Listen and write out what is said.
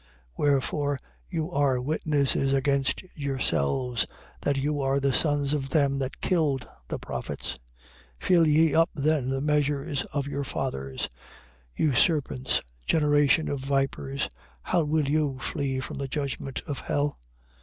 23:31. Wherefore you are witnesses against yourselves, that you are the sons of them that killed the prophets. 23:32. Fill ye up then the measure of your fathers. 23:33. You serpents, generation of vipers, how will you flee from the judgment of hell?